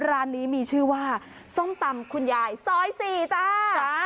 ร้านนี้มีชื่อว่าส้มตำคุณยายซอย๔จ้า